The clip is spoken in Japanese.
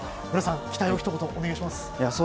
無良さん、期待をひと言お願いします。